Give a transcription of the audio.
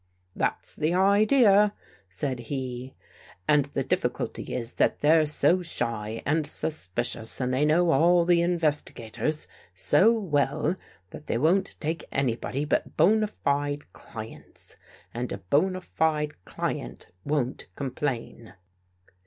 " That's the idea," said he. " And the difficulty is that they're so shy and suspicious and they know all the investigators so well that they won't take anybody but bona fide clients. And a bona fide client won't complain.